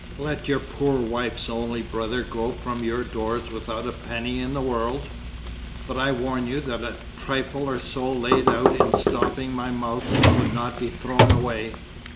Let your poor wife's only brother go from your doors without a penny in the world! but I warn you that a trifle or so laid out in stopping my mouth would not be thrown away.